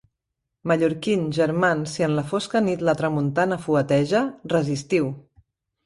Mallorquins, germans, si en la fosca nit la tramuntana fueteja, resistiu!